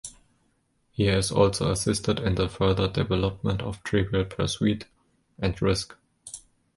He has also assisted in the further development of "Trivial Pursuit" and "Risk".